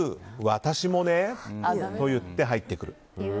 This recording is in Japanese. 私もねと言って入ってくる。